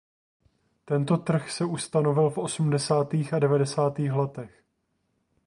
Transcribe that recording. Tento trh se ustanovil v osmdesátých a devadesátých letech.